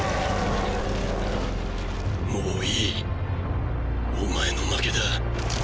もういいお前の負けだ。